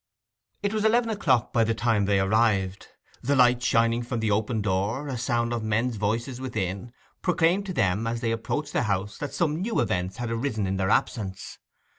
It was eleven o'clock by the time they arrived. The light shining from the open door, a sound of men's voices within, proclaimed to them as they approached the house that some new events had arisen in their absence.